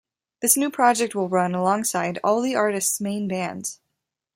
This new project will run alongside all the artists' main bands.